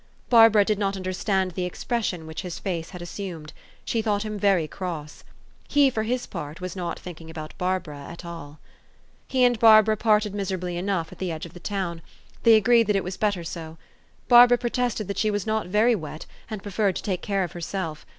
Barbara did not understand the expression which his face had assumed. She thought him very cross. He, for his part, was not thinking about Barbara at all. He and Barbara parted miserably enough, at the THE STORY OF AVIS. 351 edge of the town. They agreed that it was better so. Barbara protested that she was not very wet, and preferred to take care of herself.